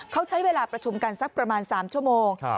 เขาใช้เวลาประชุมกันสักประมาณ๓ชั่วโมง